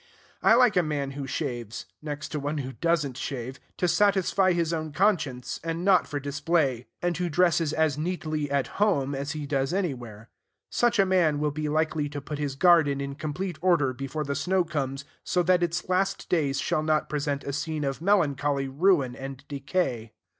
I like a man who shaves (next to one who does n't shave) to satisfy his own conscience, and not for display, and who dresses as neatly at home as he does anywhere. Such a man will be likely to put his garden in complete order before the snow comes, so that its last days shall not present a scene of melancholy ruin and decay.